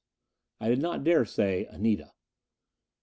I did not dare say, "Anita."